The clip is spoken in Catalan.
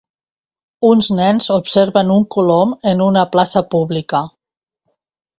Uns nens observen un colom en una plaça pública.